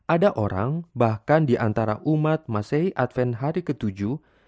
ada orang bahkan diantara umat masih advent hari ketujuh